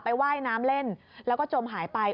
ว่ายน้ำเล่นแล้วก็จมหายไป